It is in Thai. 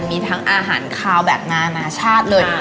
มีทั้งอาหารคาวแบบนานาชาติเลย